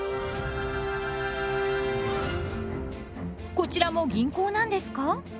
こちらも銀行なんですか？